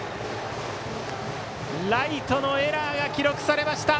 ライトのエラーが記録されました。